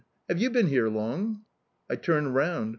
Have you been here long?" I turned round.